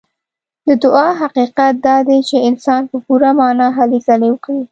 د دعا حقيقت دا دی چې انسان په پوره معنا هلې ځلې وکړي.